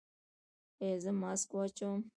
ایا زه ماسک واچوم؟